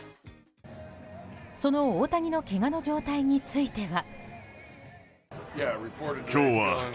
その大谷のけがの状態については。